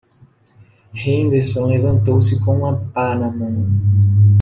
Henderson levantou-se com uma pá na mão.